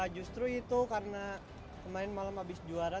justru itu karena kemarin malam habis juara